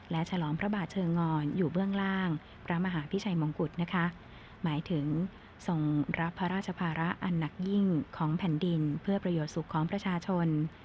และฉลองพระบาทเชิงงอนอยู่เบื้องล่างพระมหาพิชัยมงกุฎนะคะหมายถึงทรงรับพระราชภาระอันหนักยิ่งของแผ่นดินเพื่อประโยชน์สุขของประชาชน